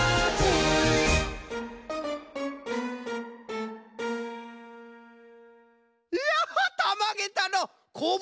いやたまげたのう！